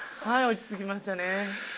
はい落ち着きますよね。